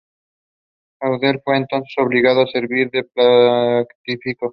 Russell fue entonces obligado a servir de práctico.